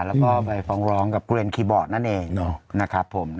แล้วก็ไปฟ้องร้องกับเกลียนคีย์บอร์ดนั่นเองนะครับผม